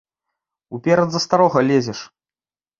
Уперад за старога лезеш!